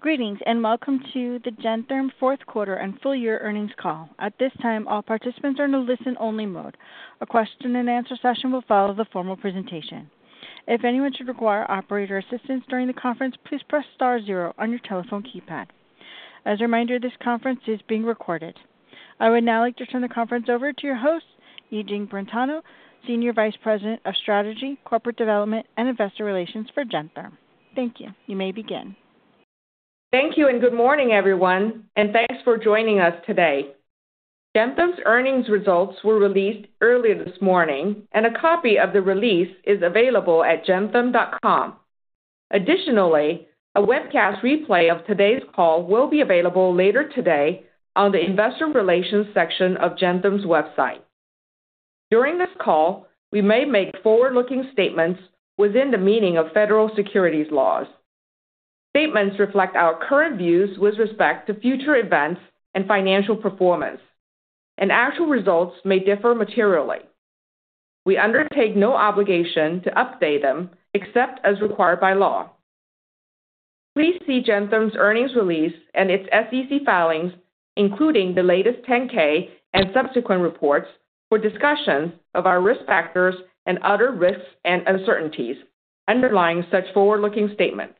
Greetings and welcome to the Gentherm fourth quarter and full year Earnings Call. At this time, all participants are in a listen-only mode. A question-and-answer session will follow the formal presentation. If anyone should require operator assistance during the conference, please press star zero on your telephone keypad. As a reminder, this conference is being recorded. I would now like to turn the conference over to your host, Yijing Brentano, Senior Vice President of Strategy, Corporate Development, and Investor Relations for Gentherm. Thank you. You may begin. Thank you and good morning, everyone, and thanks for joining us today. Gentherm's earnings results were released earlier this morning, and a copy of the release is available at gentherm.com. Additionally, a webcast replay of today's call will be available later today on the Investor Relations section of Gentherm's website. During this call, we may make forward-looking statements within the meaning of federal securities laws. Statements reflect our current views with respect to future events and financial performance, and actual results may differ materially. We undertake no obligation to update them except as required by law. Please see Gentherm's earnings release and its SEC filings, including the latest 10-K and subsequent reports, for discussions of our risk factors and other risks and uncertainties underlying such forward-looking statements.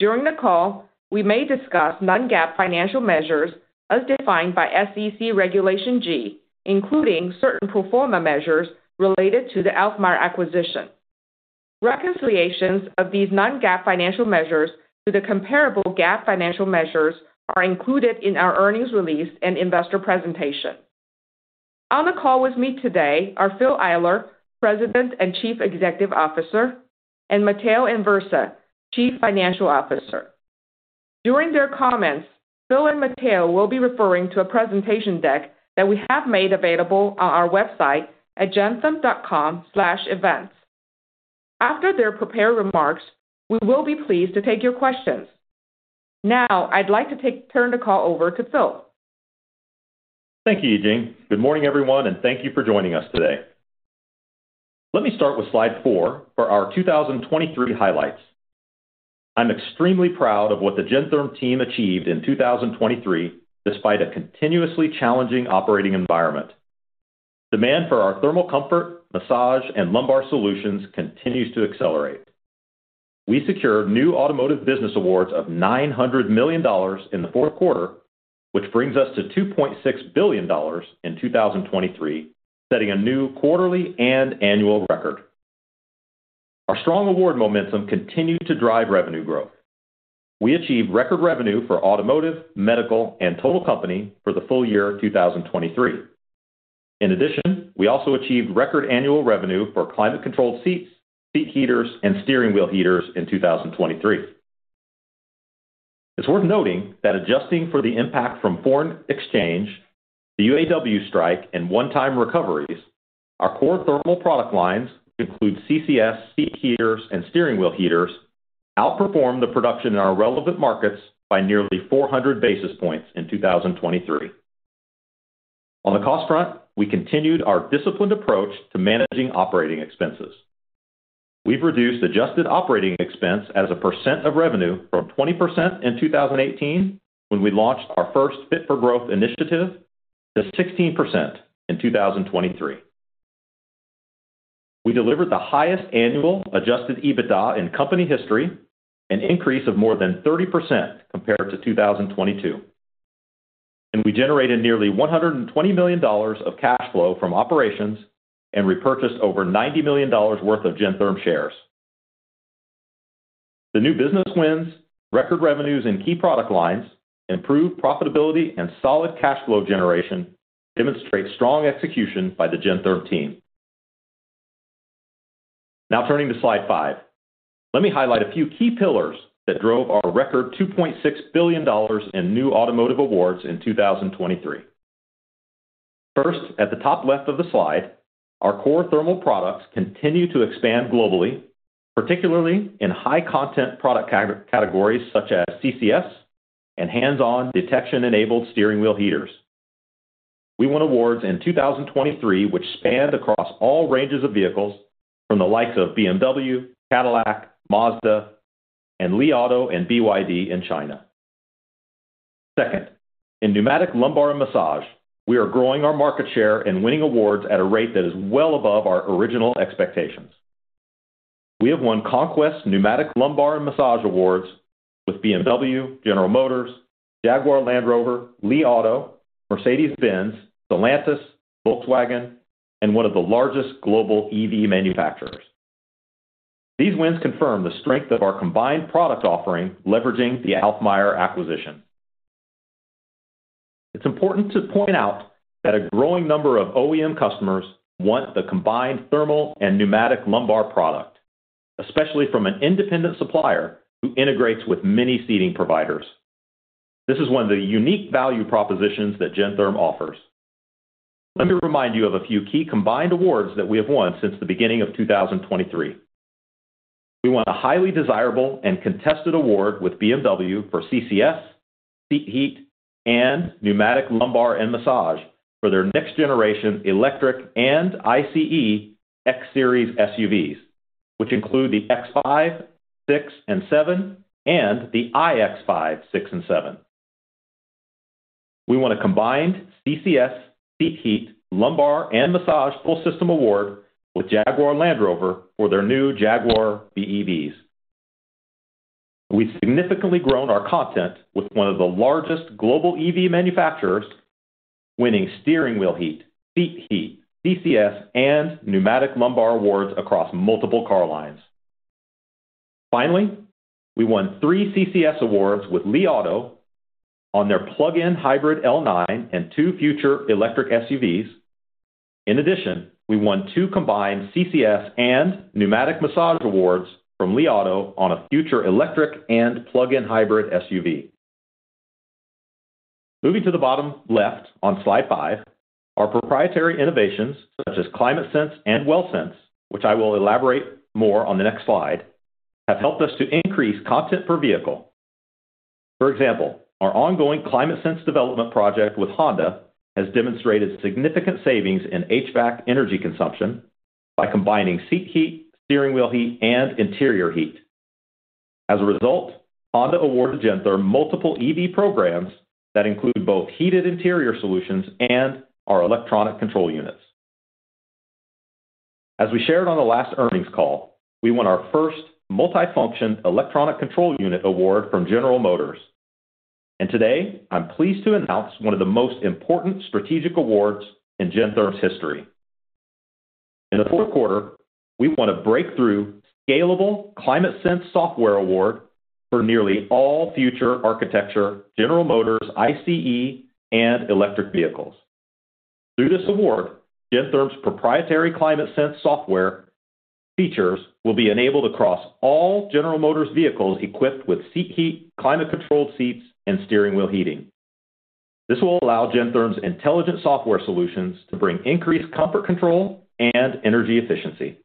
During the call, we may discuss non-GAAP financial measures as defined by SEC Regulation G, including certain pro forma measures related to the Alfmeier acquisition. Reconciliations of these non-GAAP financial measures to the comparable GAAP financial measures are included in our earnings release and investor presentation. On the call with me today are Phil Eyler, President and Chief Executive Officer, and Matteo Anversa, Chief Financial Officer. During their comments, Phil and Matteo will be referring to a presentation deck that we have made available on our website at gentherm.com/events. After their prepared remarks, we will be pleased to take your questions. Now I'd like to turn the call over to Phil. Thank you, Yijing. Good morning, everyone, and thank you for joining us today. Let me start with slide 4 for our 2023 highlights. I'm extremely proud of what the Gentherm team achieved in 2023 despite a continuously challenging operating environment. Demand for our thermal comfort, massage, and lumbar solutions continues to accelerate. We secured new automotive business awards of $900 million in the fourth quarter, which brings us to $2.6 billion in 2023, setting a new quarterly and annual record. Our strong award momentum continued to drive revenue growth. We achieved record revenue for automotive, medical, and total company for the full year 2023. In addition, we also achieved record annual revenue for climate-controlled seats, seat heaters, and steering wheel heaters in 2023. It's worth noting that adjusting for the impact from foreign exchange, the UAW strike, and one-time recoveries, our core thermal product lines, which include CCS seat heaters and steering wheel heaters, outperformed the production in our relevant markets by nearly 400 basis points in 2023. On the cost front, we continued our disciplined approach to managing operating expenses. We've reduced adjusted operating expense as a percent of revenue from 20% in 2018 when we launched our first Fit for Growth initiative to 16% in 2023. We delivered the highest annual adjusted EBITDA in company history, an increase of more than 30% compared to 2022, and we generated nearly $120 million of cash flow from operations and repurchased over $90 million worth of Gentherm shares. The new business wins, record revenues in key product lines, improved profitability, and solid cash flow generation demonstrate strong execution by the Gentherm team. Now turning to slide 5. Let me highlight a few key pillars that drove our record $2.6 billion in new automotive awards in 2023. First, at the top left of the slide, our core thermal products continue to expand globally, particularly in high-content product categories such as CCS and hands-on detection-enabled steering wheel heaters. We won awards in 2023 which spanned across all ranges of vehicles from the likes of BMW, Cadillac, Mazda, and Li Auto and BYD in China. Second, in pneumatic lumbar and massage, we are growing our market share and winning awards at a rate that is well above our original expectations. We have won Conquest Pneumatic Lumbar and Massage Awards with BMW, General Motors, Jaguar Land Rover, Li Auto, Mercedes-Benz, Stellantis, Volkswagen, and one of the largest global EV manufacturers. These wins confirm the strength of our combined product offering leveraging the Alfmeier acquisition. It's important to point out that a growing number of OEM customers want the combined thermal and pneumatic lumbar product, especially from an independent supplier who integrates with many seating providers. This is one of the unique value propositions that Gentherm offers. Let me remind you of a few key combined awards that we have won since the beginning of 2023. We won a highly desirable and contested award with BMW for CCS seat heat and pneumatic lumbar and massage for their next-generation electric and ICE X-Series SUVs, which include the X5, 6, and 7, and the iX5, 6, and 7. We won a combined CCS seat heat, lumbar, and massage full system award with Jaguar Land Rover for their new Jaguar BEVs. We've significantly grown our content with one of the largest global EV manufacturers, winning steering wheel heat, seat heat, CCS, and pneumatic lumbar awards across multiple car lines. Finally, we won 3 CCS awards with Li Auto on their plug-in hybrid L9 and 2 future electric SUVs. In addition, we won 2 combined CCS and pneumatic massage awards from Li Auto on a future electric and plug-in hybrid SUV. Moving to the bottom left on slide 5, our proprietary innovations such as ClimateSense and WellSense, which I will elaborate more on the next slide, have helped us to increase content per vehicle. For example, our ongoing ClimateSense development project with Honda has demonstrated significant savings in HVAC energy consumption by combining seat heat, steering wheel heat, and interior heat. As a result, Honda awarded Gentherm multiple EV programs that include both heated interior solutions and our electronic control units. As we shared on the last earnings call, we won our first Multifunction Electronic Control Unit Award from General Motors, and today I'm pleased to announce one of the most important strategic awards in Gentherm's history. In the fourth quarter, we won a breakthrough Scalable ClimateSense Software Award for nearly all future architecture, General Motors, ICE, and electric vehicles. Through this award, Gentherm's proprietary ClimateSense software features will be enabled across all General Motors vehicles equipped with seat heat, climate-controlled seats, and steering wheel heating. This will allow Gentherm's intelligent software solutions to bring increased comfort control and energy efficiency.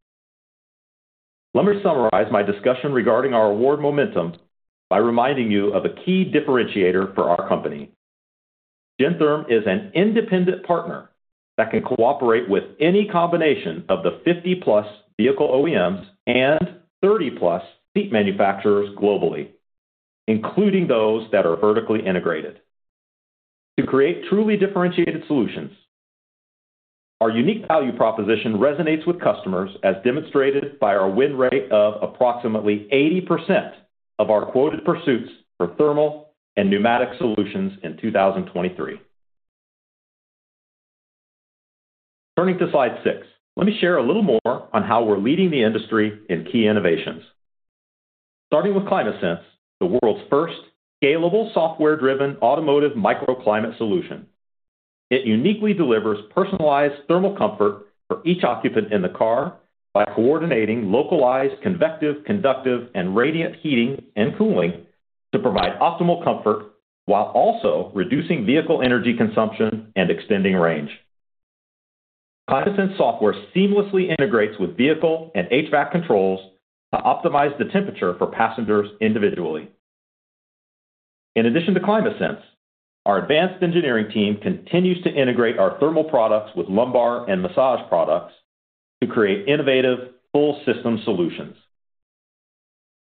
Let me summarize my discussion regarding our award momentum by reminding you of a key differentiator for our company. Gentherm is an independent partner that can cooperate with any combination of the 50+ vehicle OEMs and 30+ seat manufacturers globally, including those that are vertically integrated. To create truly differentiated solutions, our unique value proposition resonates with customers, as demonstrated by our win rate of approximately 80% of our quoted pursuits for thermal and pneumatic solutions in 2023. Turning to Slide 6. Let me share a little more on how we're leading the industry in key innovations. Starting with ClimateSense, the world's first scalable software-driven automotive microclimate solution. It uniquely delivers personalized thermal comfort for each occupant in the car by coordinating localized convective, conductive, and radiant heating and cooling to provide optimal comfort while also reducing vehicle energy consumption and extending range. ClimateSense software seamlessly integrates with vehicle and HVAC controls to optimize the temperature for passengers individually. In addition to ClimateSense, our advanced engineering team continues to integrate our thermal products with lumbar and massage products to create innovative full system solutions.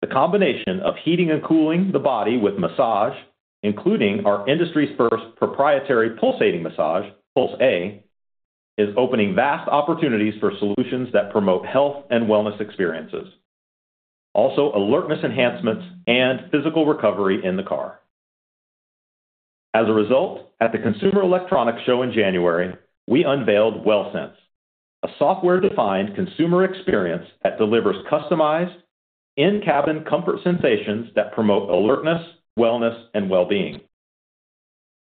The combination of heating and cooling the body with massage, including our industry's first proprietary pulsating massage, Puls.A, is opening vast opportunities for solutions that promote health and wellness experiences, also alertness enhancements and physical recovery in the car. As a result, at the Consumer Electronics Show in January, we unveiled WellSense, a software-defined consumer experience that delivers customized, in-cabin comfort sensations that promote alertness, wellness, and well-being.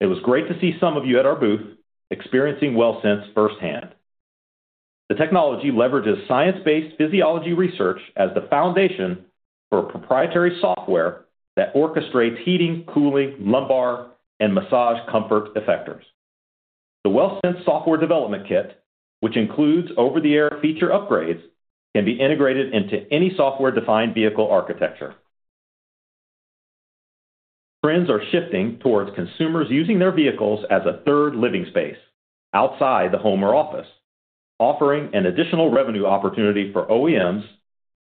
It was great to see some of you at our booth experiencing WellSense firsthand. The technology leverages science-based physiology research as the foundation for proprietary software that orchestrates heating, cooling, lumbar, and massage comfort effectors. The WellSense software development kit, which includes over-the-air feature upgrades, can be integrated into any software-defined vehicle architecture. Trends are shifting towards consumers using their vehicles as a third living space outside the home or office, offering an additional revenue opportunity for OEMs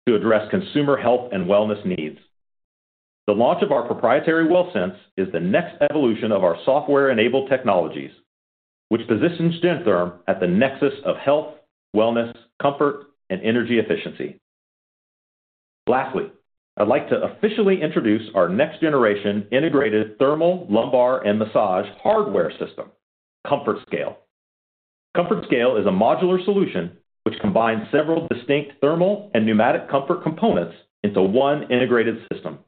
to address consumer health and wellness needs. The launch of our proprietary WellSense is the next evolution of our software-enabled technologies, which positions Gentherm at the nexus of health, wellness, comfort, and energy efficiency. Lastly, I'd like to officially introduce our next-generation integrated thermal, lumbar, and massage hardware system, ComfortScale. ComfortScale is a modular solution which combines several distinct thermal and pneumatic comfort components into one integrated system.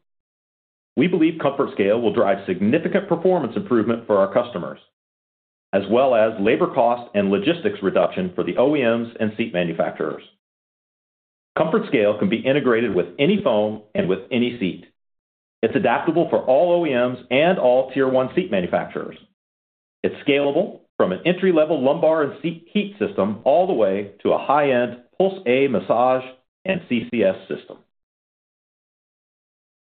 We believe ComfortScale will drive significant performance improvement for our customers, as well as labor cost and logistics reduction for the OEMs and seat manufacturers. ComfortScale can be integrated with any foam and with any seat. It's adaptable for all OEMs and all Tier 1 seat manufacturers. It's scalable from an entry-level lumbar and seat heat system all the way to a high-end Puls.A massage and CCS system.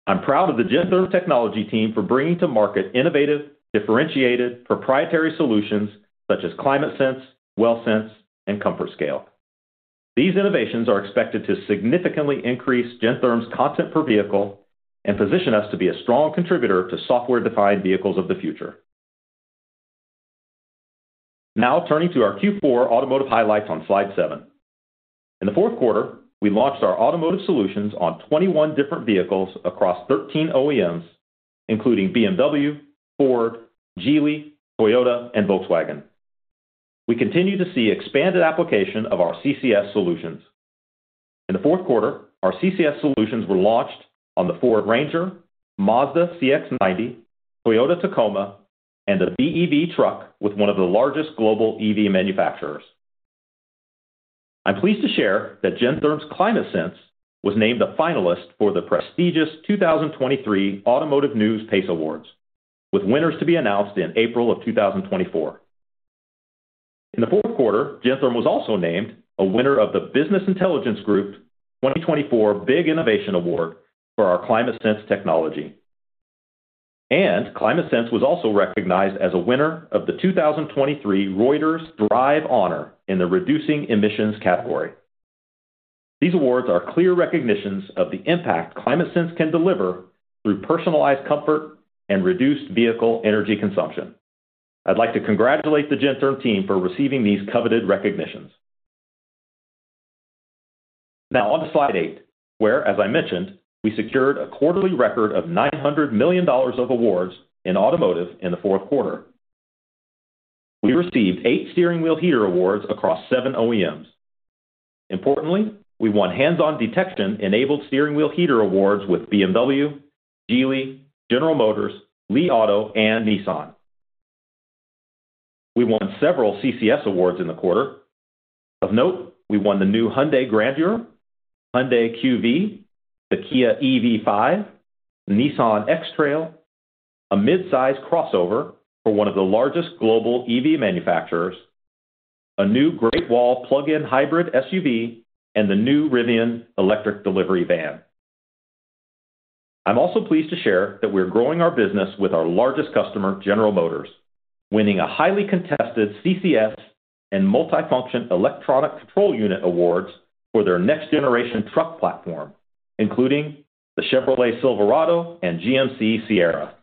I'm proud of the Gentherm technology team for bringing to market innovative, differentiated, proprietary solutions such as ClimateSense, WellSense, and ComfortScale. These innovations are expected to significantly increase Gentherm's content per vehicle and position us to be a strong contributor to software-defined vehicles of the future. Now turning to our Q4 automotive highlights on slide 7. In the fourth quarter, we launched our automotive solutions on 21 different vehicles across 13 OEMs, including BMW, Ford, Geely, Toyota, and Volkswagen. We continue to see expanded application of our CCS solutions. In the fourth quarter, our CCS solutions were launched on the Ford Ranger, Mazda CX-90, Toyota Tacoma, and a BEV truck with one of the largest global EV manufacturers. I'm pleased to share that Gentherm's ClimateSense was named a finalist for the prestigious 2023 Automotive News PACE Awards, with winners to be announced in April of 2024. In the fourth quarter, Gentherm was also named a winner of the Business Intelligence Group 2024 Big Innovation Award for our ClimateSense technology, and ClimateSense was also recognized as a winner of the 2023 Reuters D.R.I.V.E. Honours in the Reducing Emissions category. These awards are clear recognitions of the impact ClimateSense can deliver through personalized comfort and reduced vehicle energy consumption. I'd like to congratulate the Gentherm team for receiving these coveted recognitions. Now on to slide 8, where, as I mentioned, we secured a quarterly record of $900 million of awards in automotive in the fourth quarter. We received eight steering wheel heater awards across seven OEMs. Importantly, we won hands-on detection-enabled steering wheel heater awards with BMW, Geely, General Motors, Li Auto, and Nissan. We won several CCS awards in the quarter. Of note, we won the new Hyundai Grandeur, Hyundai QV, the Kia EV5, the Nissan X-Trail, a midsize crossover for one of the largest global EV manufacturers, a new Great Wall plug-in hybrid SUV, and the new Rivian electric delivery van. I'm also pleased to share that we're growing our business with our largest customer, General Motors, winning a highly contested CCS and Multifunction Electronic Control Unit Awards for their next-generation truck platform, including the Chevrolet Silverado and GMC Sierra.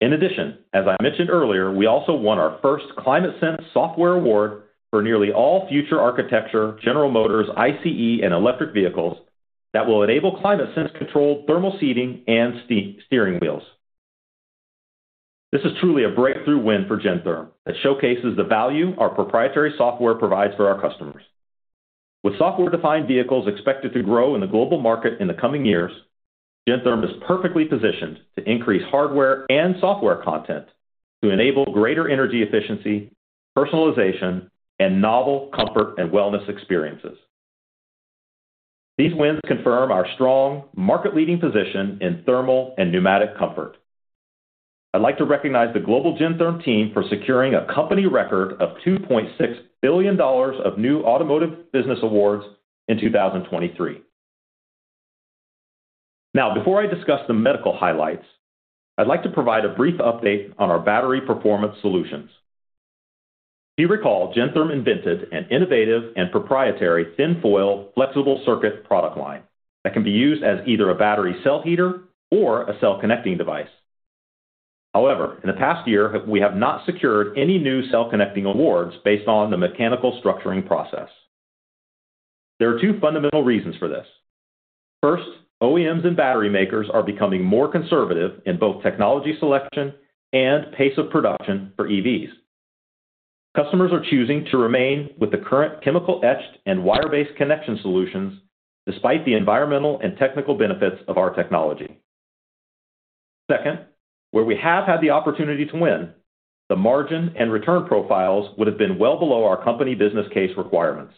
In addition, as I mentioned earlier, we also won our first ClimateSense software award for nearly all future architecture, General Motors, ICE, and electric vehicles that will enable ClimateSense-controlled thermal seating and steering wheels. This is truly a breakthrough win for Gentherm that showcases the value our proprietary software provides for our customers. With software-defined vehicles expected to grow in the global market in the coming years, Gentherm is perfectly positioned to increase hardware and software content to enable greater energy efficiency, personalization, and novel comfort and wellness experiences. These wins confirm our strong, market-leading position in thermal and pneumatic comfort. I'd like to recognize the global Gentherm team for securing a company record of $2.6 billion of new automotive business awards in 2023. Now, before I discuss the medical highlights, I'd like to provide a brief update on our battery performance solutions. If you recall, Gentherm invented an innovative and proprietary thin-foil, flexible circuit product line that can be used as either a battery cell heater or a cell connecting device. However, in the past year, we have not secured any new cell connecting awards based on the mechanical structuring process. There are two fundamental reasons for this. First, OEMs and battery makers are becoming more conservative in both technology selection and pace of production for EVs. Customers are choosing to remain with the current chemical-etched and wire-based connection solutions despite the environmental and technical benefits of our technology. Second, where we have had the opportunity to win, the margin and return profiles would have been well below our company business case requirements.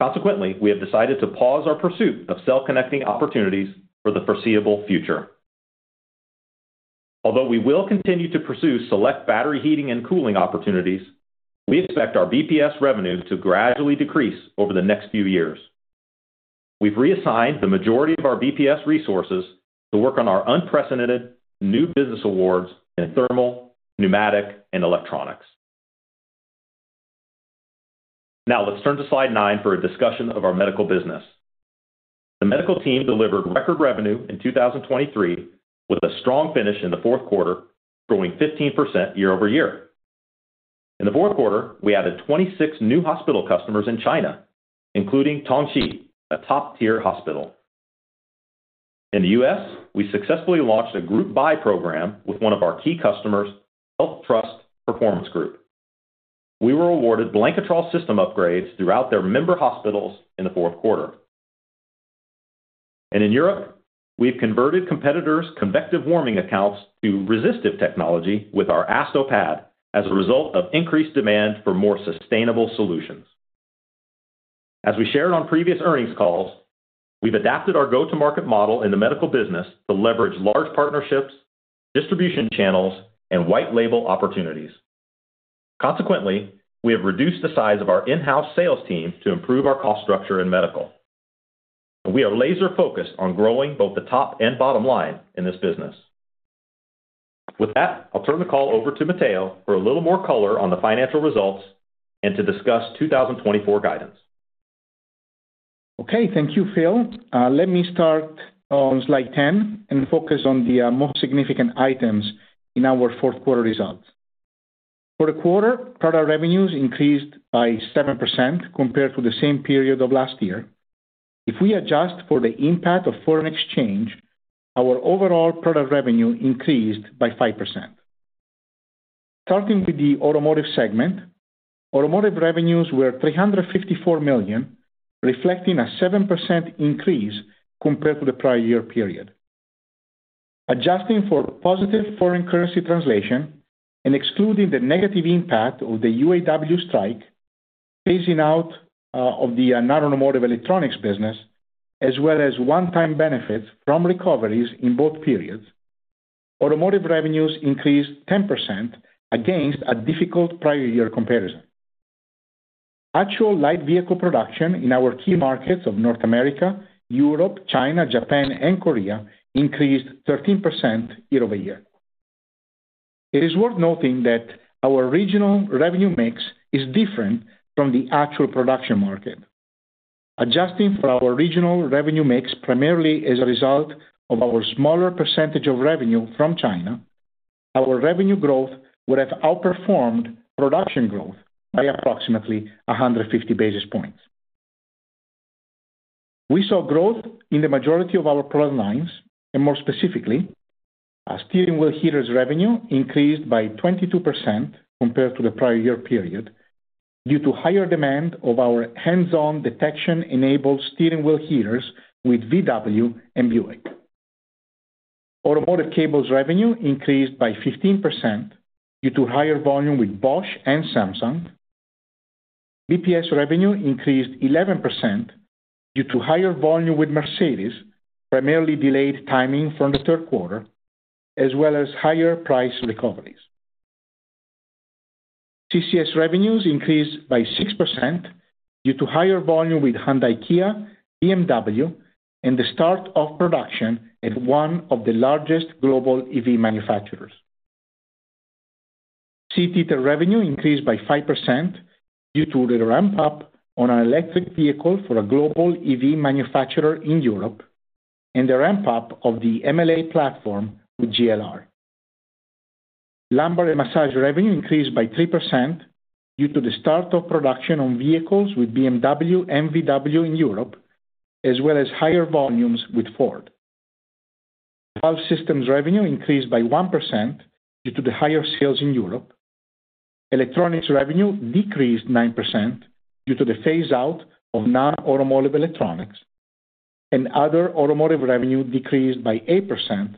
Consequently, we have decided to pause our pursuit of cell connecting opportunities for the foreseeable future. Although we will continue to pursue select battery heating and cooling opportunities, we expect our BPS revenue to gradually decrease over the next few years. We've reassigned the majority of our BPS resources to work on our unprecedented new business awards in thermal, pneumatic, and electronics. Now let's turn to slide 9 for a discussion of our medical business. The medical team delivered record revenue in 2023 with a strong finish in the fourth quarter, growing 15% year-over-year. In the fourth quarter, we added 26 new hospital customers in China, including Tongji, a top-tier hospital. In the US, we successfully launched a group buy program with one of our key customers, HealthTrust Performance Group. We were awarded Blanketrol system upgrades throughout their member hospitals in the fourth quarter. And in Europe, we've converted competitors' convective warming accounts to resistive technology with our ASTOPAD as a result of increased demand for more sustainable solutions. As we shared on previous earnings calls, we've adapted our go-to-market model in the medical business to leverage large partnerships, distribution channels, and white-label opportunities. Consequently, we have reduced the size of our in-house sales team to improve our cost structure in medical, and we are laser-focused on growing both the top and bottom line in this business. With that, I'll turn the call over to Matteo for a little more color on the financial results and to discuss 2024 guidance. Okay, thank you, Phil. Let me start on slide 10 and focus on the most significant items in our fourth quarter results. For the quarter, product revenues increased by 7% compared to the same period of last year. If we adjust for the impact of foreign exchange, our overall product revenue increased by 5%. Starting with the automotive segment, automotive revenues were $354 million, reflecting a 7% increase compared to the prior year period. Adjusting for positive foreign currency translation and excluding the negative impact of the UAW strike, phasing out of the narrow-motor electronics business, as well as one-time benefits from recoveries in both periods, automotive revenues increased 10% against a difficult prior year comparison. Actual light vehicle production in our key markets of North America, Europe, China, Japan, and Korea increased 13% year-over-year. It is worth noting that our regional revenue mix is different from the actual production market. Adjusting for our regional revenue mix primarily as a result of our smaller percentage of revenue from China, our revenue growth would have outperformed production growth by approximately 150 basis points. We saw growth in the majority of our product lines, and more specifically, steering wheel heaters' revenue increased by 22% compared to the prior year period due to higher demand of our hands-on detection-enabled steering wheel heaters with VW and Buick. Automotive cables revenue increased by 15% due to higher volume with Bosch and Samsung. BPS revenue increased 11% due to higher volume with Mercedes, primarily delayed timing from the third quarter, as well as higher price recoveries. CCS revenues increased by 6% due to higher volume with Hyundai Kia, BMW, and the start of production at one of the largest global EV manufacturers. seat heat revenue increased by 5% due to the ramp-up on an electric vehicle for a global EV manufacturer in Europe and the ramp-up of the MLA platform with JLR. Lumbar and massage revenue increased by 3% due to the start of production on vehicles with BMW and VW in Europe, as well as higher volumes with Ford. Valve Systems revenue increased by 1% due to the higher sales in Europe. Electronics revenue decreased 9% due to the phase-out of non-automotive electronics, and other automotive revenue decreased by 8%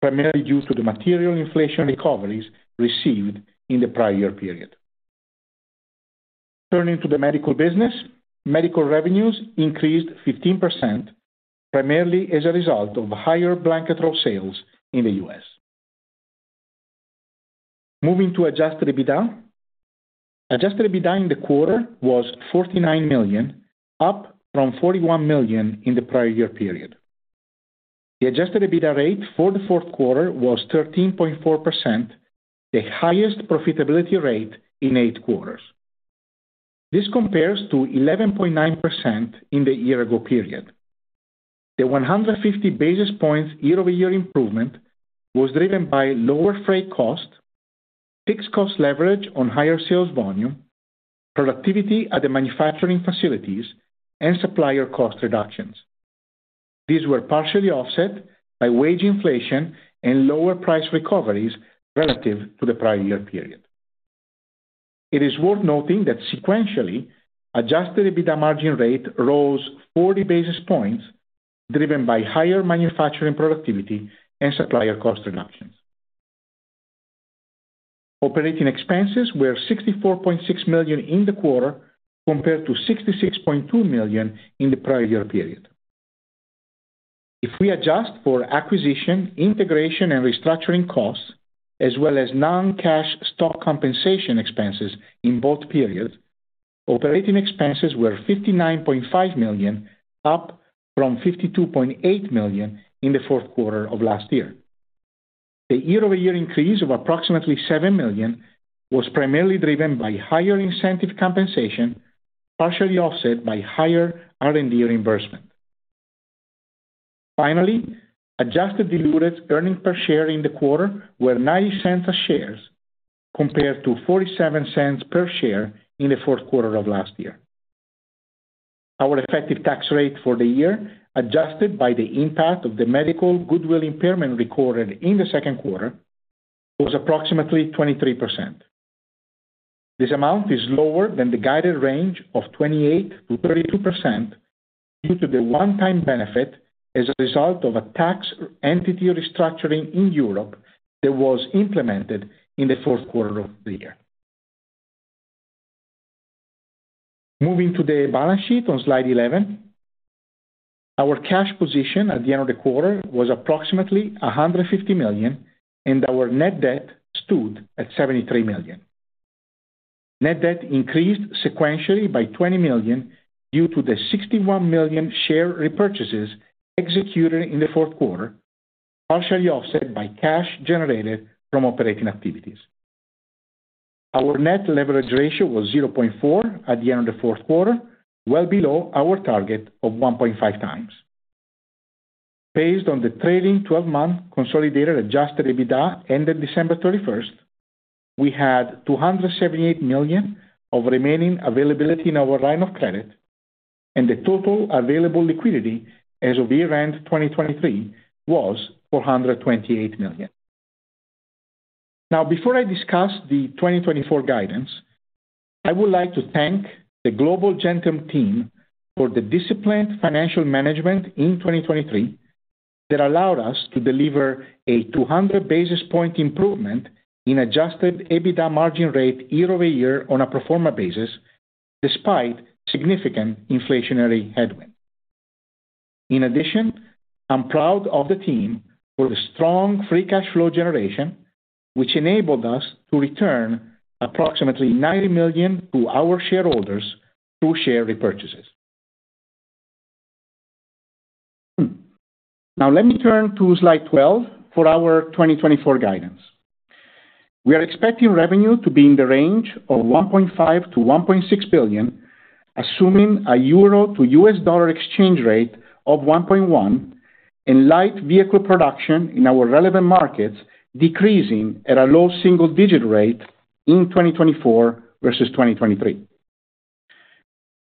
primarily due to the material inflation recoveries received in the prior year period. Turning to the medical business, medical revenues increased 15% primarily as a result of higher Blanketrol sales in the U.S. Moving to Adjusted EBITDA. Adjusted EBITDA in the quarter was $49 million, up from $41 million in the prior year period. The Adjusted EBITDA rate for the fourth quarter was 13.4%, the highest profitability rate in eight quarters. This compares to 11.9% in the year-ago period. The 150 basis points year-over-year improvement was driven by lower freight cost, fixed cost leverage on higher sales volume, productivity at the manufacturing facilities, and supplier cost reductions. These were partially offset by wage inflation and lower price recoveries relative to the prior year period. It is worth noting that sequentially, Adjusted EBITDA margin rate rose 40 basis points, driven by higher manufacturing productivity and supplier cost reductions. Operating expenses were $64.6 million in the quarter compared to $66.2 million in the prior year period. If we adjust for acquisition, integration, and restructuring costs, as well as non-cash stock compensation expenses in both periods, operating expenses were $59.5 million, up from $52.8 million in the fourth quarter of last year. The year-over-year increase of approximately $7 million was primarily driven by higher incentive compensation, partially offset by higher R&D reimbursement. Finally, adjusted diluted earnings per share in the quarter were $0.90 a share compared to $0.47 per share in the fourth quarter of last year. Our effective tax rate for the year, adjusted by the impact of the medical goodwill impairment recorded in the second quarter, was approximately 23%. This amount is lower than the guided range of 28%-32% due to the one-time benefit as a result of a tax entity restructuring in Europe that was implemented in the fourth quarter of the year. Moving to the balance sheet on slide 11. Our cash position at the end of the quarter was approximately $150 million, and our net debt stood at $73 million. Net debt increased sequentially by $20 million due to the $61 million share repurchases executed in the fourth quarter, partially offset by cash generated from operating activities. Our net leverage ratio was 0.4 at the end of the fourth quarter, well below our target of 1.5 times. Based on the trailing 12-month consolidated Adjusted EBITDA ended December 31st, we had $278 million of remaining availability in our line of credit, and the total available liquidity as of year-end 2023 was $428 million. Now, before I discuss the 2024 guidance, I would like to thank the global Gentherm team for the disciplined financial management in 2023 that allowed us to deliver a 200 basis point improvement in Adjusted EBITDA margin rate year-over-year on a pro forma basis, despite significant inflationary headwinds. In addition, I'm proud of the team for the strong free cash flow generation, which enabled us to return approximately $90 million to our shareholders through share repurchases. Now, let me turn to slide 12 for our 2024 guidance. We are expecting revenue to be in the range of $1.5-$1.6 billion, assuming a euro to US dollar exchange rate of 1.1, and light vehicle production in our relevant markets decreasing at a low single-digit rate in 2024 versus 2023.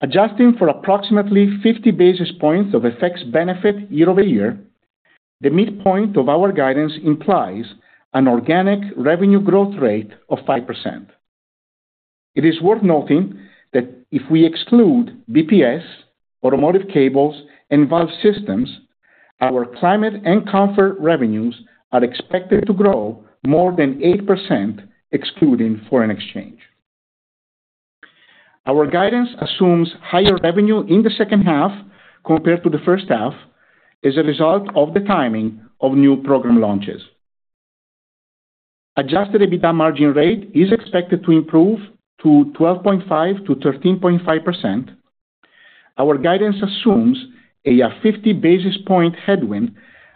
Adjusting for approximately 50 basis points of effects benefit year-over-year, the midpoint of our guidance implies an organic revenue growth rate of 5%. It is worth noting that if we exclude BPS, automotive cables, and valve systems, our climate and comfort revenues are expected to grow more than 8% excluding foreign exchange. Our guidance assumes higher revenue in the second half compared to the first half as a result of the timing of new program launches. Adjusted EBITDA margin rate is expected to improve to 12.5%-13.5%. Our guidance assumes a 50 basis point headwind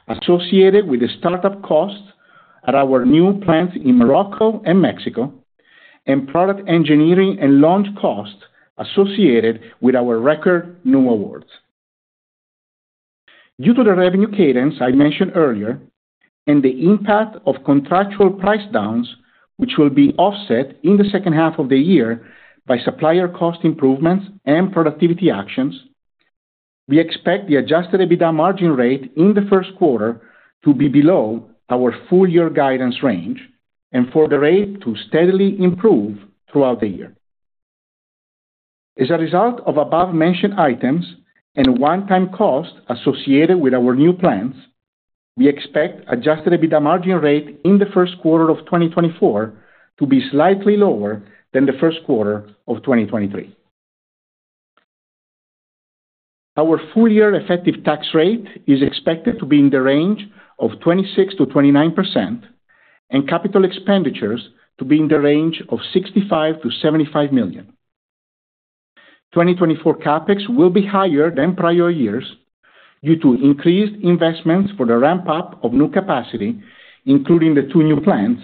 associated with the startup costs at our new plants in Morocco and Mexico, and product engineering and launch costs associated with our record new awards. Due to the revenue cadence I mentioned earlier, and the impact of contractual price downs, which will be offset in the second half of the year by supplier cost improvements and productivity actions, we expect the adjusted EBITDA margin rate in the first quarter to be below our full year guidance range and for the rate to steadily improve throughout the year. As a result of above-mentioned items and one-time costs associated with our new plants, we expect adjusted EBITDA margin rate in the first quarter of 2024 to be slightly lower than the first quarter of 2023. Our full year effective tax rate is expected to be in the range of 26%-29%, and capital expenditures to be in the range of $65-$75 million. 2024 CapEx will be higher than prior years due to increased investments for the ramp-up of new capacity, including the two new plants,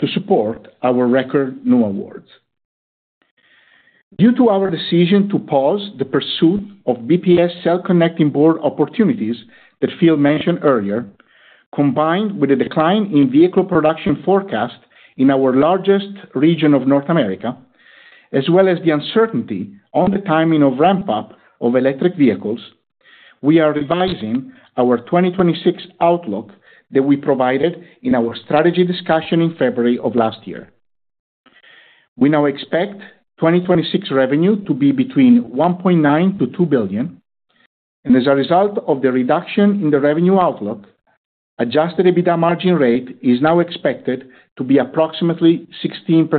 to support our record new awards. Due to our decision to pause the pursuit of BPS self-connecting board opportunities that Phil mentioned earlier, combined with the decline in vehicle production forecast in our largest region of North America, as well as the uncertainty on the timing of ramp-up of electric vehicles, we are revising our 2026 outlook that we provided in our strategy discussion in February of last year. We now expect 2026 revenue to be between $1.9-$2 billion, and as a result of the reduction in the revenue outlook, adjusted EBITDA margin rate is now expected to be approximately 16%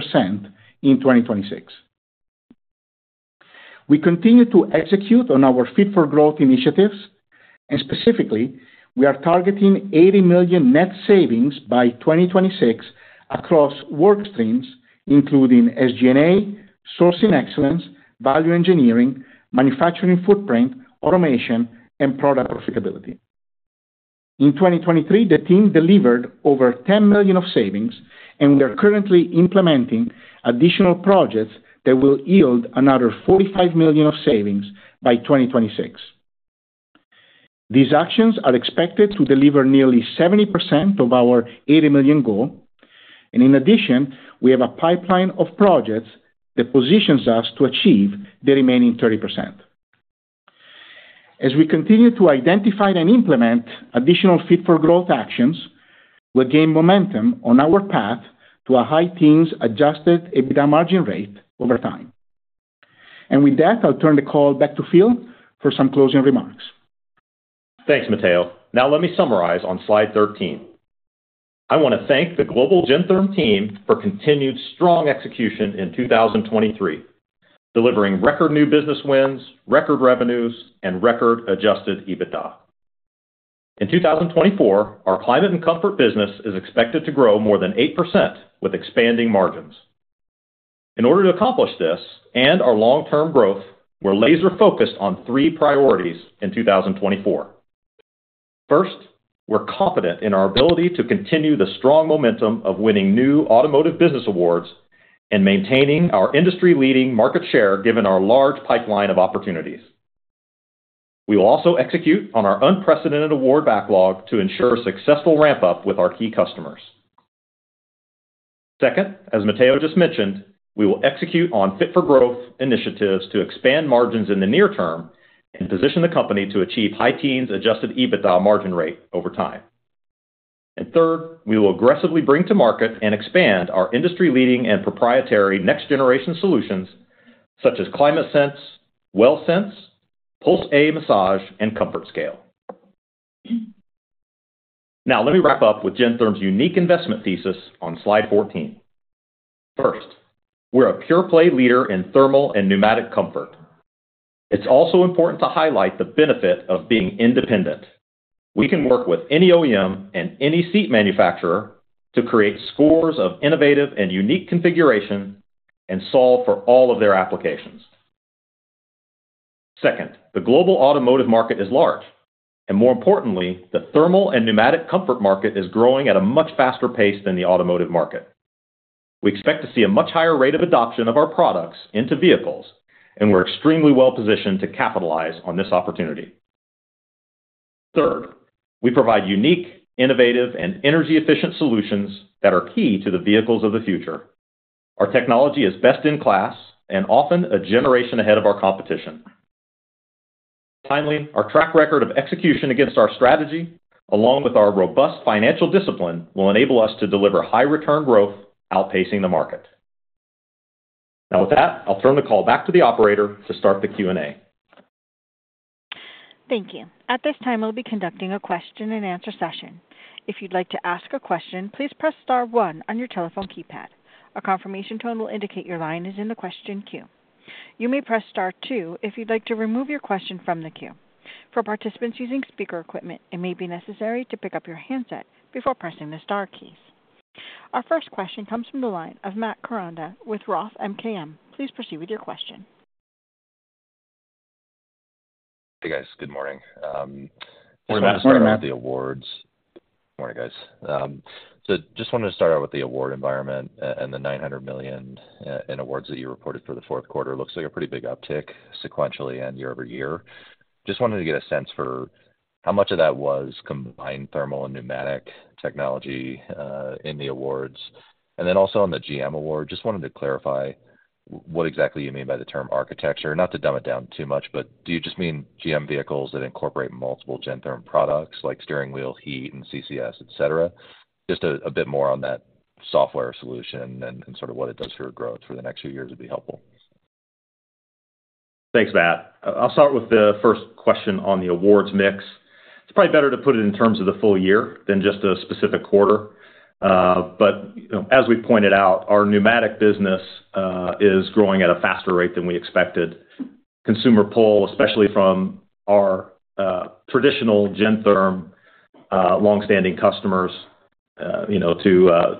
in 2026. We continue to execute on our Fit for Growth initiatives, and specifically, we are targeting $80 million net savings by 2026 across work streams including SG&A, sourcing excellence, value engineering, manufacturing footprint, automation, and product profitability. In 2023, the team delivered over $10 million of savings, and we are currently implementing additional projects that will yield another $45 million of savings by 2026. These actions are expected to deliver nearly 70% of our $80 million goal, and in addition, we have a pipeline of projects that positions us to achieve the remaining 30%. As we continue to identify and implement additional Fit for Growth actions, we'll gain momentum on our path to a high-teens Adjusted EBITDA margin rate over time. And with that, I'll turn the call back to Phil for some closing remarks. Thanks, Matteo. Now, let me summarize on slide 13. I want to thank the global Gentherm team for continued strong execution in 2023, delivering record new business wins, record revenues, and record Adjusted EBITDA. In 2024, our climate and comfort business is expected to grow more than 8% with expanding margins. In order to accomplish this and our long-term growth, we're laser-focused on three priorities in 2024. First, we're confident in our ability to continue the strong momentum of winning new automotive business awards and maintaining our industry-leading market share given our large pipeline of opportunities. We will also execute on our unprecedented award backlog to ensure a successful ramp-up with our key customers. Second, as Matteo just mentioned, we will execute on Fit for Growth initiatives to expand margins in the near-term and position the company to achieve high-teens Adjusted EBITDA margin rate over time. And third, we will aggressively bring to market and expand our industry-leading and proprietary next-generation solutions such as ClimateSense, WellSense, Puls.A Massage, and ComfortScale. Now, let me wrap up with Gentherm's unique investment thesis on slide 14. First, we're a pure-play leader in thermal and pneumatic comfort. It's also important to highlight the benefit of being independent. We can work with any OEM and any seat manufacturer to create scores of innovative and unique configurations and solve for all of their applications. Second, the global automotive market is large, and more importantly, the thermal and pneumatic comfort market is growing at a much faster pace than the automotive market. We expect to see a much higher rate of adoption of our products into vehicles, and we're extremely well-positioned to capitalize on this opportunity. Third, we provide unique, innovative, and energy-efficient solutions that are key to the vehicles of the future. Our technology is best in class and often a generation ahead of our competition. Finally, our track record of execution against our strategy, along with our robust financial discipline, will enable us to deliver high-return growth outpacing the market. Now, with that, I'll turn the call back to the operator to start the Q&A. Thank you. At this time, we'll be conducting a question-and-answer session. If you'd like to ask a question, please press star 1 on your telephone keypad. A confirmation tone will indicate your line is in the question queue. You may press star 2 if you'd like to remove your question from the queue. For participants using speaker equipment, it may be necessary to pick up your handset before pressing the star keys. Our first question comes from the line of Matt Koranda with Roth MKM. Please proceed with your question. Hey, guys. Good morning. We're about to start with the awards. Good morning, guys. So just wanted to start out with the award environment and the $900 million in awards that you reported for the fourth quarter. Looks like a pretty big uptick sequentially and year-over-year. Just wanted to get a sense for how much of that was combined thermal and pneumatic technology in the awards. And then also on the GM award, just wanted to clarify what exactly you mean by the term architecture. Not to dumb it down too much, but do you just mean GM vehicles that incorporate multiple Gentherm products like steering wheel heat and CCS, etc.? Just a bit more on that software solution and sort of what it does for growth for the next few years would be helpful. Thanks, Matt. I'll start with the first question on the awards mix. It's probably better to put it in terms of the full year than just a specific quarter. But as we pointed out, our pneumatic business is growing at a faster rate than we expected. Consumer pull, especially from our traditional Gentherm longstanding customers to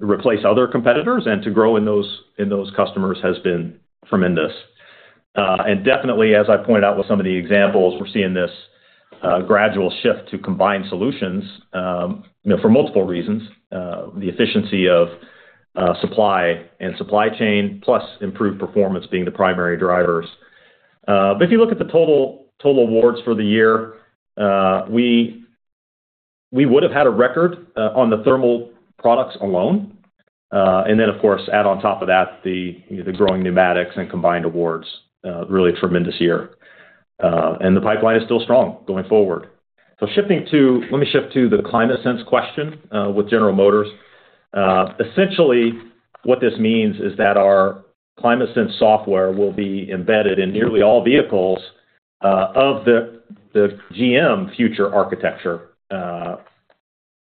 replace other competitors and to grow in those customers has been tremendous. And definitely, as I pointed out with some of the examples, we're seeing this gradual shift to combined solutions for multiple reasons: the efficiency of supply and supply chain, plus improved performance being the primary drivers. But if you look at the total awards for the year, we would have had a record on the thermal products alone. And then, of course, add on top of that the growing pneumatics and combined awards, really a tremendous year. And the pipeline is still strong going forward. So shifting to let me shift to the ClimateSense question with General Motors. Essentially, what this means is that our ClimateSense software will be embedded in nearly all vehicles of the GM future architecture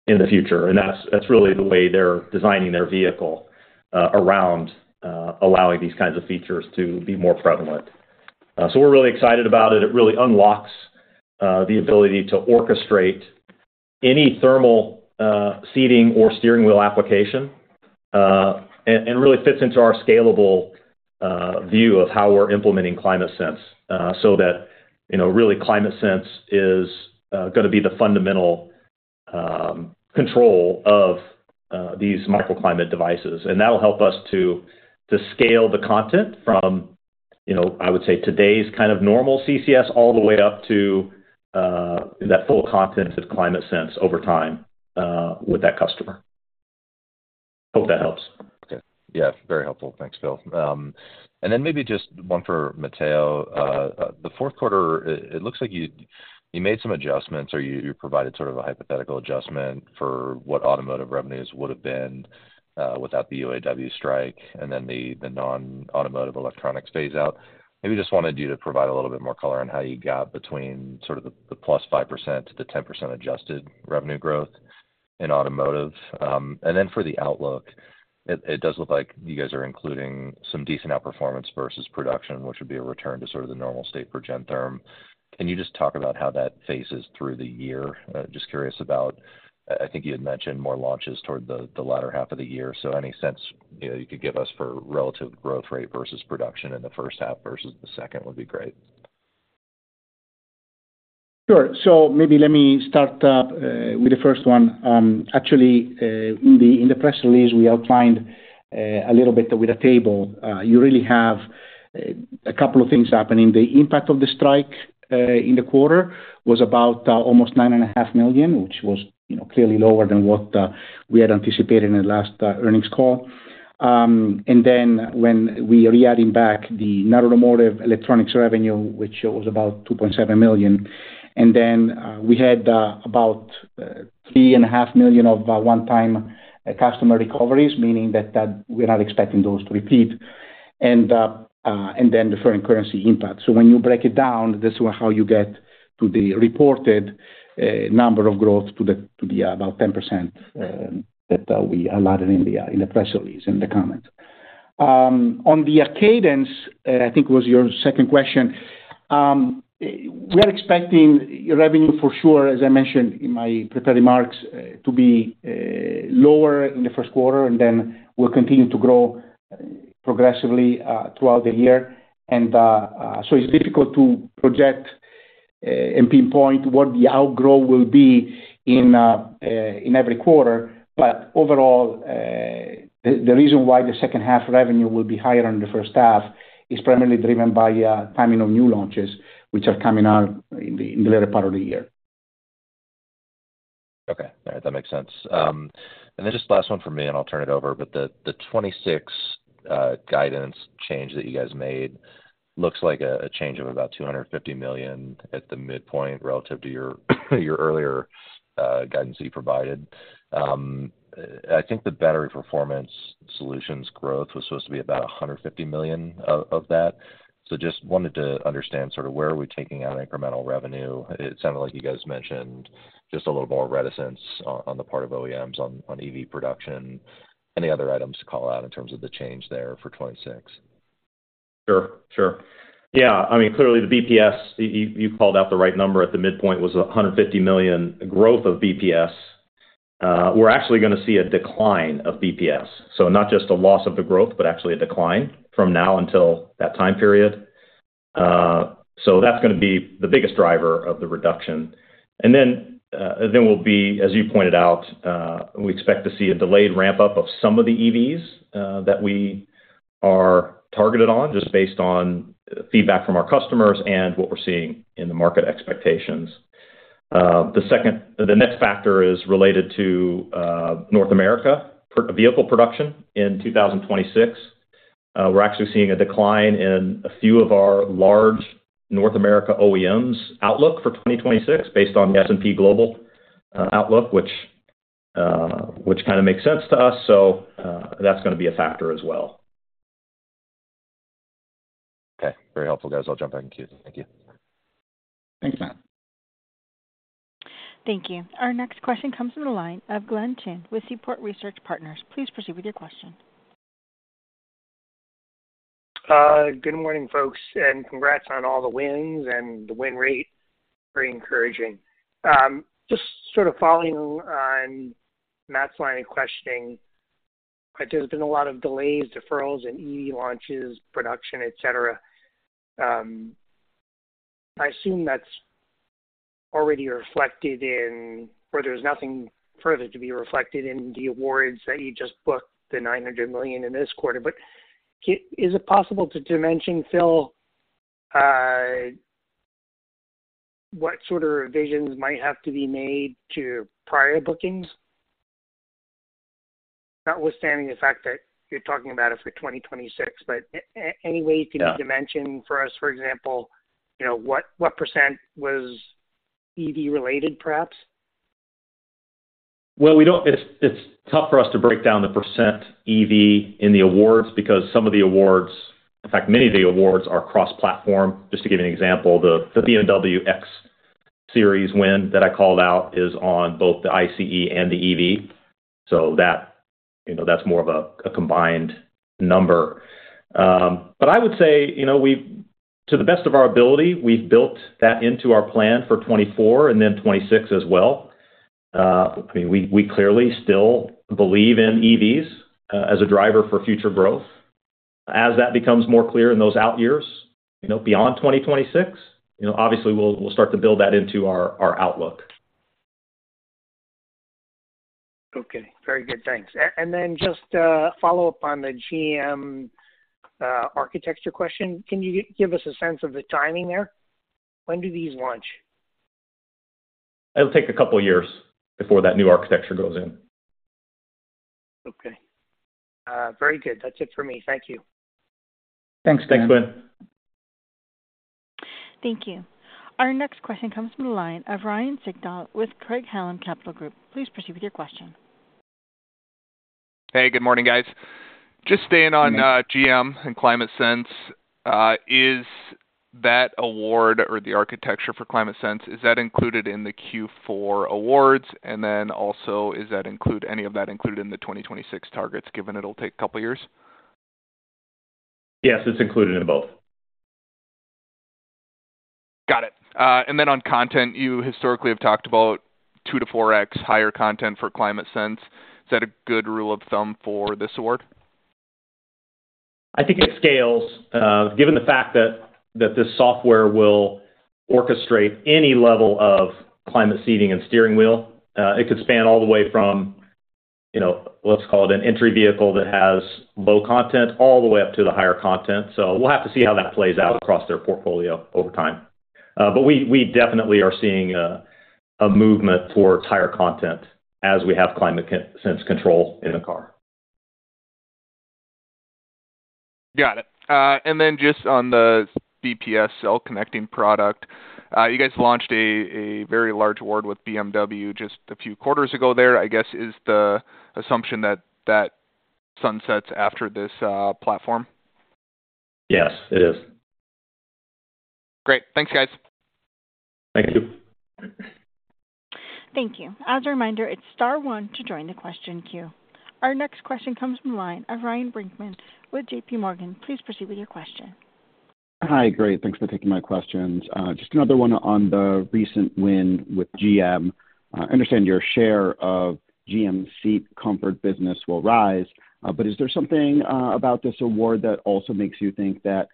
in the future. And that's really the way they're designing their vehicle around allowing these kinds of features to be more prevalent. So we're really excited about it. It really unlocks the ability to orchestrate any thermal seating or steering wheel application and really fits into our scalable view of how we're implementing ClimateSense so that really ClimateSense is going to be the fundamental control of these microclimate devices. And that'll help us to scale the content from, I would say, today's kind of normal CCS all the way up to that full content of ClimateSense over time with that customer. Hope that helps. Okay. Yeah, very helpful. Thanks, Phil. And then maybe just one for Matteo. The fourth quarter, it looks like you made some adjustments or you provided sort of a hypothetical adjustment for what automotive revenues would have been without the UAW strike and then the non-automotive electronics phaseout. Maybe just wanted you to provide a little bit more color on how you got between sort of the +5%-10% adjusted revenue growth in automotive. And then for the outlook, it does look like you guys are including some decent outperformance versus production, which would be a return to sort of the normal state for Gentherm. Can you just talk about how that plays out through the year? Just curious about, I think you had mentioned more launches toward the latter half of the year. So any sense you could give us for relative growth rate versus production in the first half versus the second would be great. Sure. So maybe let me start out with the first one. Actually, in the press release, we outlined a little bit with a table. You really have a couple of things happening. The impact of the strike in the quarter was about $9.5 million, which was clearly lower than what we had anticipated in the last earnings call. And then when we add back the automotive electronics revenue, which was about $2.7 million, and then we had about $3.5 million of one-time customer recoveries, meaning that we're not expecting those to repeat. And then the foreign currency impact. So when you break it down, this is how you get to the reported number of growth to the about 10% that we allotted in the press release and the comments. On the cadence, I think it was your second question. We are expecting revenue for sure, as I mentioned in my prepared remarks, to be lower in the first quarter, and then we'll continue to grow progressively throughout the year. And so it's difficult to project and pinpoint what the outgrow will be in every quarter. But overall, the reason why the second half revenue will be higher in the first half is primarily driven by timing of new launches, which are coming out in the later part of the year. Okay. All right. That makes sense. And then just last one from me, and I'll turn it over. But the 2026 guidance change that you guys made looks like a change of about $250 million at the midpoint relative to your earlier guidance that you provided. I think the battery performance solutions growth was supposed to be about $150 million of that. So just wanted to understand sort of where are we taking out incremental revenue? It sounded like you guys mentioned just a little more reticence on the part of OEMs on EV production. Any other items to call out in terms of the change there for 2026? Sure. Sure. Yeah. I mean, clearly, the BPS, you called out the right number at the midpoint, was $150 million growth of BPS. We're actually going to see a decline of BPS. So not just a loss of the growth, but actually a decline from now until that time period. So that's going to be the biggest driver of the reduction. And then there will be, as you pointed out, we expect to see a delayed ramp-up of some of the EVs that we are targeted on just based on feedback from our customers and what we're seeing in the market expectations. The next factor is related to North America vehicle production in 2026. We're actually seeing a decline in a few of our large North America OEMs' outlook for 2026 based on the S&P Global outlook, which kind of makes sense to us. So that's going to be a factor as well. Okay. Very helpful, guys. I'll jump back and queue it. Thank you. Thanks, Matt. Thank you. Our next question comes from the line of Glenn Chin with Seaport Research Partners. Please proceed with your question. Good morning, folks. Congrats on all the wins and the win rate. Very encouraging. Just sort of following on Matt's line of questioning, there's been a lot of delays, deferrals, and EV launches, production, etc. I assume that's already reflected in or there's nothing further to be reflected in the awards that you just booked, the $900 million in this quarter. But is it possible to dimension, Phil, what sort of revisions might have to be made to prior bookings? Notwithstanding the fact that you're talking about it for 2026, but any way you can dimension for us, for example, what % was EV-related, perhaps? Well, it's tough for us to break down the % EV in the awards because some of the awards in fact, many of the awards are cross-platform. Just to give you an example, the BMW X Series win that I called out is on both the ICE and the EV. So that's more of a combined number. But I would say, to the best of our ability, we've built that into our plan for 2024 and then 2026 as well. I mean, we clearly still believe in EVs as a driver for future growth. As that becomes more clear in those out years, beyond 2026, obviously, we'll start to build that into our outlook. Okay. Very good. Thanks. And then just follow up on the GM architecture question. Can you give us a sense of the timing there? When do these launch? It'll take a couple of years before that new architecture goes in. Okay. Very good. That's it for me. Thank you. Thanks, Glenn. Thanks, Glenn. Thank you. Our next question comes from the line of Ryan Sigdahl with Craig-Hallum Capital Group. Please proceed with your question. Hey, good morning, guys. Just staying on GM and ClimateSense, is that award or the architecture for ClimateSense, is that included in the Q4 awards? And then also, is that include any of that included in the 2026 targets given it'll take a couple of years? Yes, it's included in both. Got it. And then on content, you historically have talked about 2-4x higher content for ClimateSense. Is that a good rule of thumb for this award? I think it scales. Given the fact that this software will orchestrate any level of climate seating and steering wheel, it could span all the way from, let's call it, an entry vehicle that has low content all the way up to the higher content. So we'll have to see how that plays out across their portfolio over time. But we definitely are seeing a movement towards higher content as we have ClimateSense control in the car. Got it. And then just on the BPS cell connecting product, you guys launched a very large award with BMW just a few quarters ago there, I guess, is the assumption that that sunsets after this platform? Yes, it is. Great. Thanks, guys. Thank you. Thank you. As a reminder, it's star one to join the question queue. Our next question comes from the line of Ryan Brinkman with JP Morgan. Please proceed with your question. Hi. Great. Thanks for taking my questions. Just another one on the recent win with GM. I understand your share of GM seat comfort business will rise. But is there something about this award that also makes you think that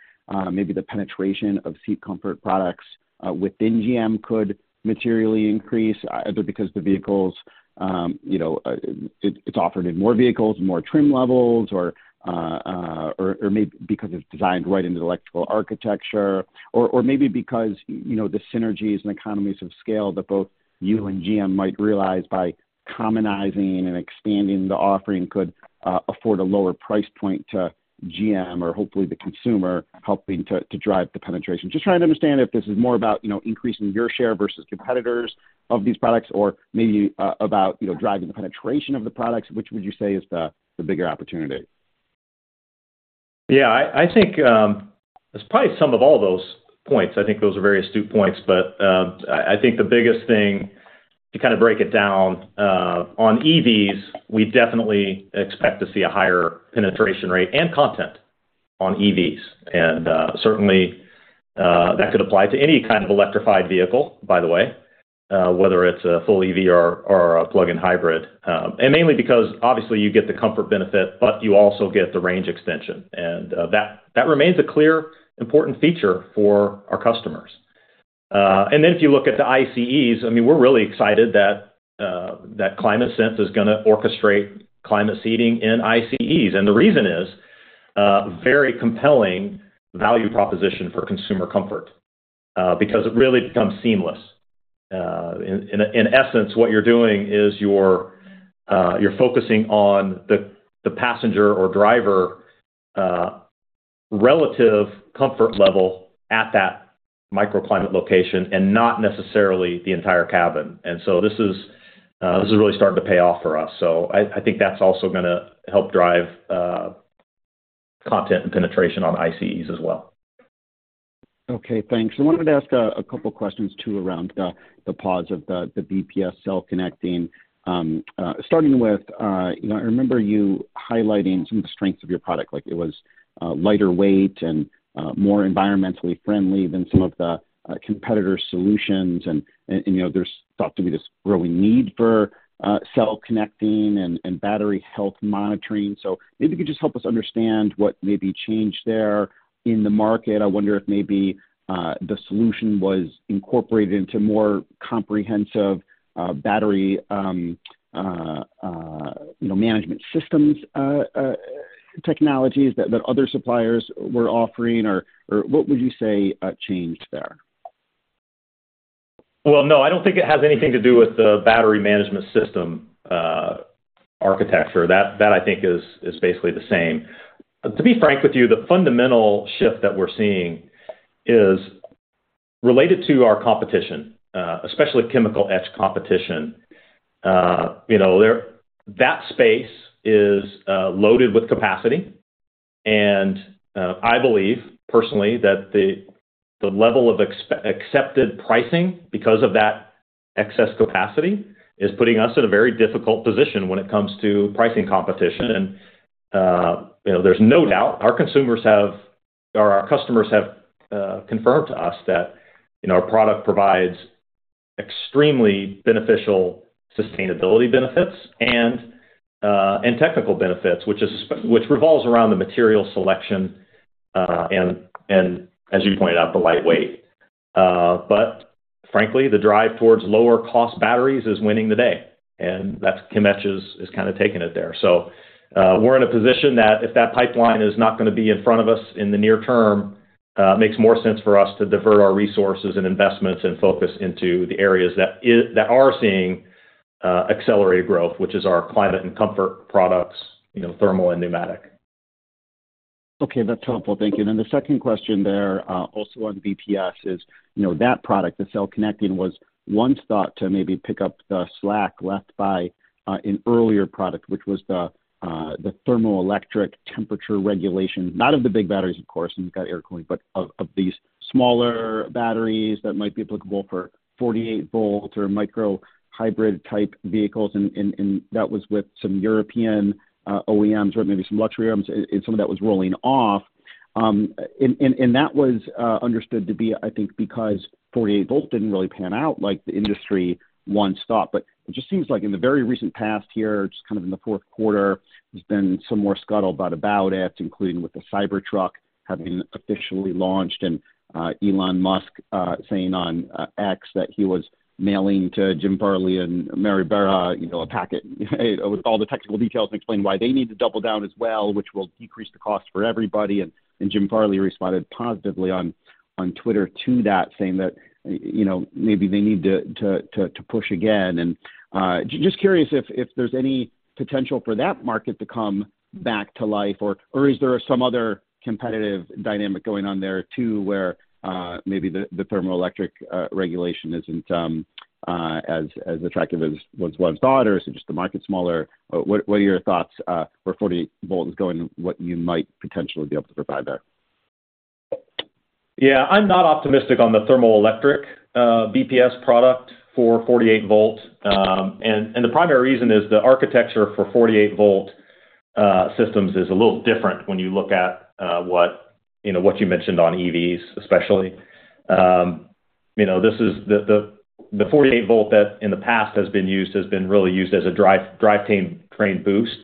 maybe the penetration of seat comfort products within GM could materially increase, either because the vehicles it's offered in more vehicles, more trim levels, or maybe because it's designed right into the electrical architecture, or maybe because the synergies and economies of scale that both you and GM might realize by commonizing and expanding the offering could afford a lower price point to GM or hopefully the consumer helping to drive the penetration? Just trying to understand if this is more about increasing your share versus competitors of these products or maybe about driving the penetration of the products, which would you say is the bigger opportunity? Yeah. I think it's probably some of all those points. I think those are very astute points. But I think the biggest thing to kind of break it down, on EVs, we definitely expect to see a higher penetration rate and content on EVs. And certainly, that could apply to any kind of electrified vehicle, by the way, whether it's a full EV or a plug-in hybrid, and mainly because, obviously, you get the comfort benefit, but you also get the range extension. And that remains a clear, important feature for our customers. And then if you look at the ICEs, I mean, we're really excited that ClimateSense is going to orchestrate climate seating in ICEs. And the reason is very compelling value proposition for consumer comfort because it really becomes seamless. In essence, what you're doing is you're focusing on the passenger or driver relative comfort level at that microclimate location and not necessarily the entire cabin. And so this is really starting to pay off for us. So I think that's also going to help drive content and penetration on ICEs as well. Okay. Thanks. I wanted to ask a couple of questions too around the pause of the BPS cell connecting. Starting with, I remember you highlighting some of the strengths of your product. It was lighter weight and more environmentally friendly than some of the competitor solutions. And there's thought to be this growing need for cell connecting and battery health monitoring. So maybe you could just help us understand what may be changed there in the market. I wonder if maybe the solution was incorporated into more comprehensive battery management systems technologies that other suppliers were offering, or what would you say changed there? Well, no, I don't think it has anything to do with the battery management system architecture. That, I think, is basically the same. To be frank with you, the fundamental shift that we're seeing is related to our competition, especially chemical-edge competition. That space is loaded with capacity. And I believe, personally, that the level of accepted pricing because of that excess capacity is putting us in a very difficult position when it comes to pricing competition. And there's no doubt our consumers have or our customers have confirmed to us that our product provides extremely beneficial sustainability benefits and technical benefits, which revolves around the material selection and, as you pointed out, the lightweight. But frankly, the drive towards lower-cost batteries is winning the day. And that's Chem etch is kind of taking it there. So we're in a position that if that pipeline is not going to be in front of us in the near-term, it makes more sense for us to divert our resources and investments and focus into the areas that are seeing accelerated growth, which is our climate and comfort products, thermal and pneumatic. Okay. That's helpful. Thank you. And then the second question there, also on BPS, is that product, the cell connecting, was once thought to maybe pick up the slack left by an earlier product, which was the thermoelectric temperature regulation, not of the big batteries, of course, and you've got air cooling, but of these smaller batteries that might be applicable for 48-volt or microhybrid-type vehicles. And that was with some European OEMs or maybe some luxury OEMs, and some of that was rolling off. That was understood to be, I think, because 48-volt didn't really pan out like the industry once thought. It just seems like in the very recent past here, just kind of in the fourth quarter, there's been some more scuttlebutt about it, including with the Cybertruck having officially launched and Elon Musk saying on X that he was mailing to Jim Farley and Mary Barra a packet with all the technical details and explaining why they need to double down as well, which will decrease the cost for everybody. Jim Farley responded positively on Twitter to that, saying that maybe they need to push again. Just curious if there's any potential for that market to come back to life, or is there some other competitive dynamic going on there too where maybe the thermoelectric regulation isn't as attractive as was once thought, or is it just the market smaller? What are your thoughts where 48-volt is going and what you might potentially be able to provide there? Yeah. I'm not optimistic on the thermoelectric BPS product for 48-volt. The primary reason is the architecture for 48-volt systems is a little different when you look at what you mentioned on EVs, especially. This is the 48-volt that in the past has been really used as a drivetrain boost.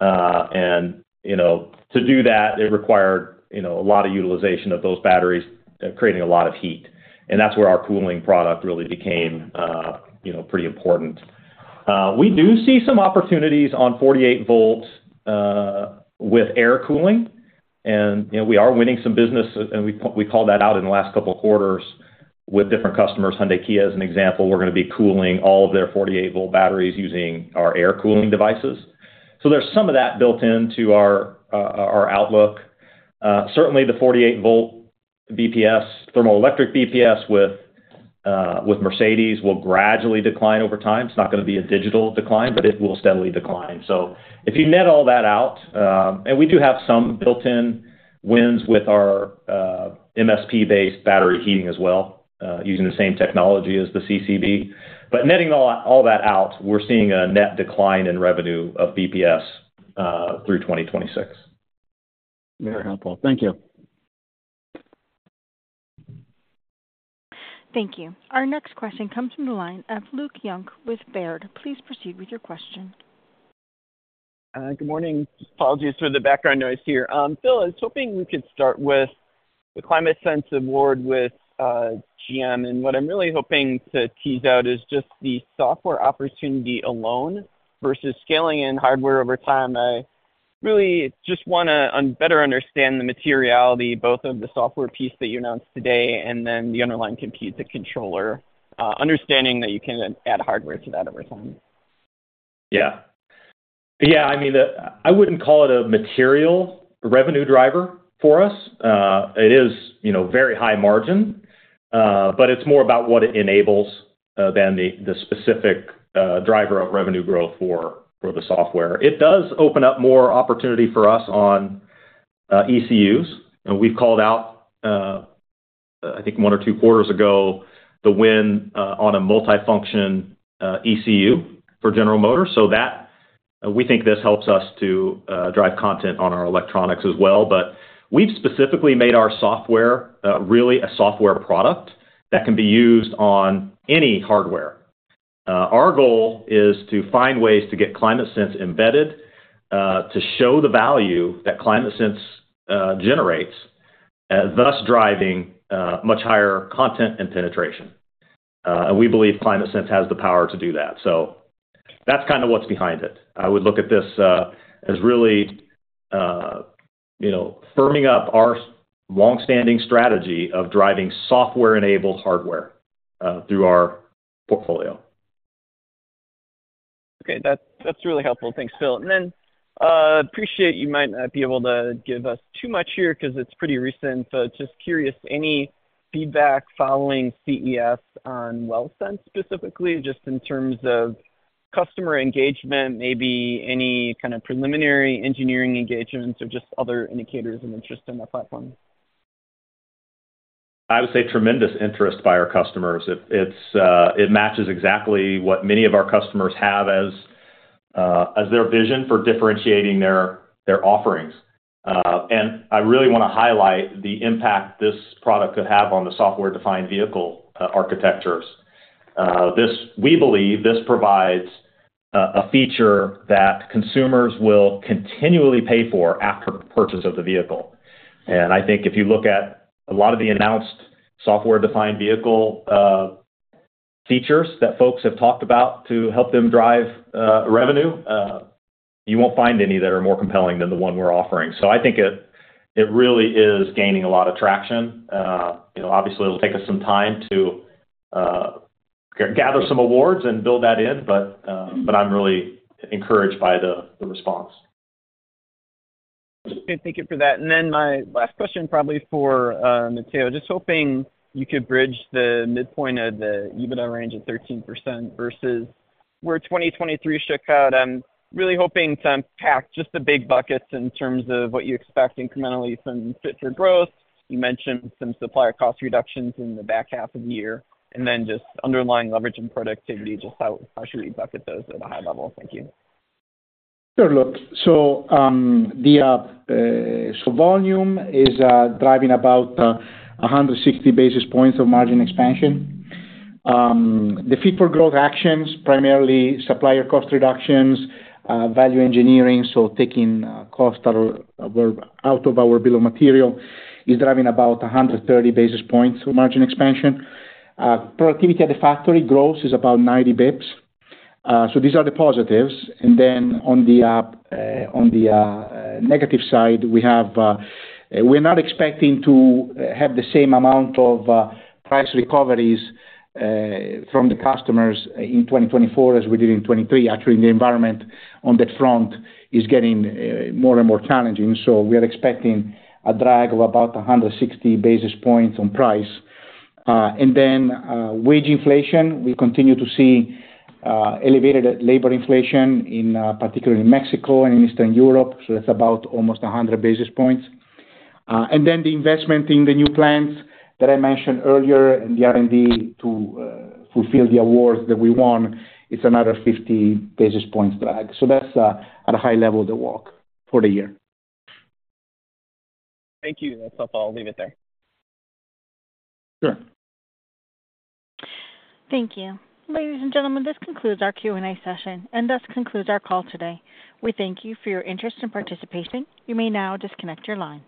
To do that, it required a lot of utilization of those batteries, creating a lot of heat. That's where our cooling product really became pretty important. We do see some opportunities on 48-volt with air cooling. And we are winning some business, and we called that out in the last couple of quarters with different customers. Hyundai Kia, as an example, we're going to be cooling all of their 48-volt batteries using our air cooling devices. So there's some of that built into our outlook. Certainly, the 48-volt BPS, thermoelectric BPS with Mercedes will gradually decline over time. It's not going to be a digital decline, but it will steadily decline. So if you net all that out and we do have some built-in wins with our MSP-based battery heating as well, using the same technology as the CCB. But netting all that out, we're seeing a net decline in revenue of BPS through 2026. Very helpful. Thank you. Thank you. Our next question comes from the line of Luke Junk with Baird. Please proceed with your question. Good morning. Apologies for the background noise here. Phil, I was hoping we could start with the ClimateSense award with GM. And what I'm really hoping to tease out is just the software opportunity alone versus scaling in hardware over time. I really just want to better understand the materiality, both of the software piece that you announced today and then the underlying compute, the controller, understanding that you can add hardware to that over time. Yeah. Yeah. I mean, I wouldn't call it a material revenue driver for us. It is very high margin, but it's more about what it enables than the specific driver of revenue growth for the software. It does open up more opportunity for us on ECUs. And we've called out, I think, one or two quarters ago, the win on a multifunction ECU for General Motors. So we think this helps us to drive content on our electronics as well. But we've specifically made our software really a software product that can be used on any hardware. Our goal is to find ways to get ClimateSense embedded, to show the value that ClimateSense generates, thus driving much higher content and penetration. And we believe ClimateSense has the power to do that. So that's kind of what's behind it. I would look at this as really firming up our longstanding strategy of driving software-enabled hardware through our portfolio. Okay. That's really helpful. Thanks, Phil. And then I appreciate you might not be able to give us too much here because it's pretty recent. But just curious, any feedback following CES on WellSense specifically, just in terms of customer engagement, maybe any kind of preliminary engineering engagements or just other indicators of interest in the platform? I would say tremendous interest by our customers. It matches exactly what many of our customers have as their vision for differentiating their offerings. And I really want to highlight the impact this product could have on the Software-Defined Vehicle architectures. We believe this provides a feature that consumers will continually pay for after purchase of the vehicle. And I think if you look at a lot of the announced Software-Defined Vehicle features that folks have talked about to help them drive revenue, you won't find any that are more compelling than the one we're offering. So I think it really is gaining a lot of traction. Obviously, it'll take us some time to gather some awards and build that in, but I'm really encouraged by the response. Thank you for that. And then my last question, probably for Matteo, just hoping you could bridge the midpoint of the EBITDA range at 13% versus where 2023 shook out. I'm really hoping to unpack just the big buckets in terms of what you expect incrementally from Fit for Growth. You mentioned some supplier cost reductions in the back half of the year. And then just underlying leverage and productivity, just how should we bucket those at a high level? Thank you. Sure. Look, so volume is driving about 160 basis points of margin expansion. The Fit for Growth actions, primarily supplier cost reductions, value engineering, so taking cost out of our bill of material, is driving about 130 basis points of margin expansion. Productivity at the factory, growth, is about 90 basis points. So these are the positives. And then on the negative side, we are not expecting to have the same amount of price recoveries from the customers in 2024 as we did in 2023. Actually, the environment on that front is getting more and more challenging. So we are expecting a drag of about 160 basis points on price. And then wage inflation. We continue to see elevated labor inflation, particularly in Mexico and in Eastern Europe. So that's about almost 100 basis points. And then the investment in the new plants that I mentioned earlier and the R&D to fulfill the awards that we won; it's another 50 basis points drag. So that's, at a high level, the walk for the year. Thank you. That's helpful. I'll leave it there. Sure. Thank you. Ladies and gentlemen, this concludes our Q&A session, and thus concludes our call today. We thank you for your interest and participation. You may now disconnect your lines.